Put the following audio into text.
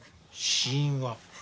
死因は？